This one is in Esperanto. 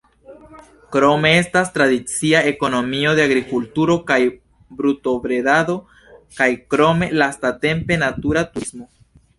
Krome estas tradicia ekonomio de agrikulturo kaj brutobredado kaj krome lastatempe natura turismo.